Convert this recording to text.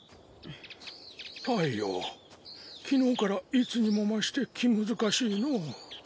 太陽昨日からいつにも増して気難しいのう。